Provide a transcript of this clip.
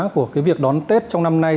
của cái việc đón tết trong năm nay